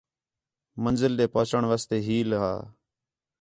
منزل ݙے پہچݨ واسطے ہیل ہا